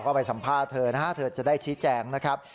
ก็ไปสัมภาษณ์เธอนะฮะเธอจะได้ชี้แจงนะครับ